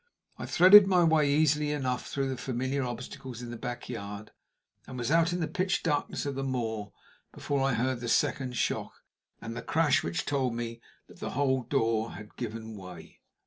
I threaded my way easily enough through the familiar obstacles in the backyard, and was out in the pitch darkness of the moor before I heard the second shock, and the crash which told me that the whole door had given way.